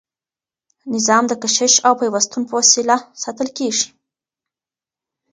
نظام د کشش او پیوستون په وسیله ساتل کیږي.